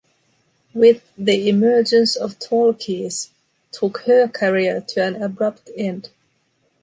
With the emergence of talkies took her career to an abrupt end.